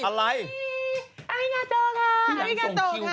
อาริงาโตละ